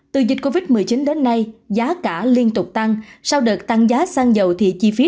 từ dịch covid một mươi chín đến nay giá cả liên tục tăng sau đợt tăng giá xăng dầu thì chi phí